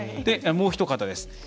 もうおひと方です。